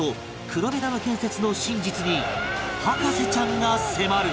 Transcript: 黒部ダム建設の真実に博士ちゃんが迫る！